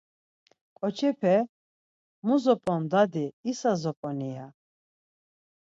Ǩoçepe; Mu zop̌on dadi isa zop̌oni ya.